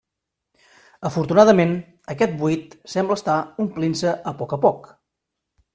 Afortunadament, aquest buit sembla estar omplint-se a poc a poc.